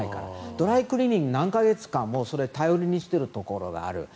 ドライクリーニング、何か月も頼りにしているところがある。